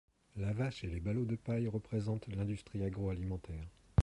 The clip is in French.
La vache et les ballots de paille représentent l'industrie agro-alimentaire.